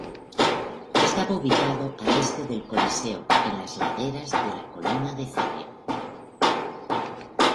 Estaba ubicado al este del Coliseo, en las laderas de la Colina de Celio.